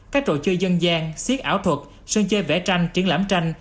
các trò chơi dân gian siết ảo thuật sân chơi vẽ tranh triển lãm tranh